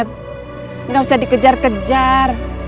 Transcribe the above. tidak bisa dikejar kejar